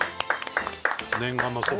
念願のそば。